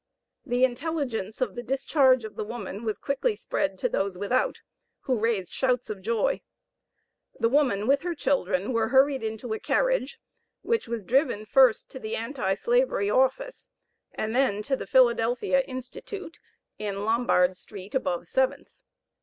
The intelligence of the discharge of the woman, was quickly spread to those without, who raised shouts of joy. The woman, with her children, were hurried into a carriage, which was driven first to the Anti slavery office and then to the Philadelphia Institute, in Lombard Street above Seventh.